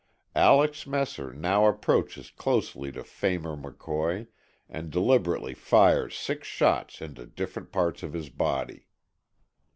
Alex Messer now approaches closely to Phamer McCoy and deliberately fires six shots into different parts of his body.